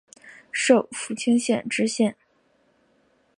授福清县知县。